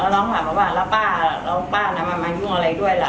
แล้วน้องถามว่าแล้วป๊าแล้วป๊าน่ะมันไม่ยุ่งอะไรด้วยล่ะ